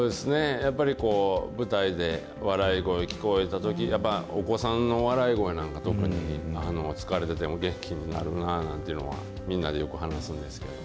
やっぱり舞台で笑い声聞こえたとき、やっぱ、お子さんの笑い声なんか特に、疲れてても元気になるななんていうのは、みんなでよく話すんですけれども。